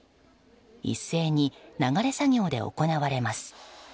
一斉に流れ作業で行われます。